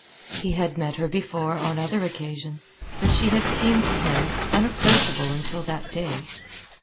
He had met her before on other occasions, but she had seemed to him unapproachable until that day.